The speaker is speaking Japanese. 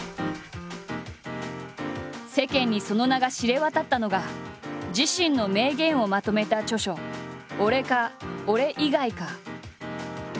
世間にその名が知れ渡ったのが自身の名言をまとめた著書「俺か、俺以外か。」。